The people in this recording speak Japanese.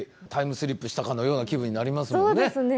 タイムスリップしたかのような気分になりますもんね。